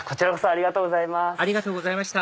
ありがとうございます。